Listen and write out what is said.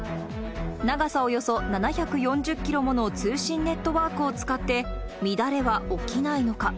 長さおよそ７４０キロもの通信ネットワークを使って、乱れは起きないのか。